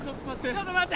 ちょっと待って！